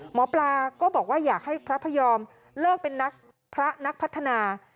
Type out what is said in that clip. หมอปลาก็บอกว่าอยากให้พระพยอมเลิกเป็นนักพระนักพัฒนา